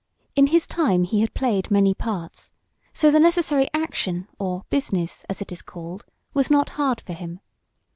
In his time he had played many parts, so the necessary action, or "business," as it is called, was not hard for him.